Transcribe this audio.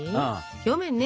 表面ね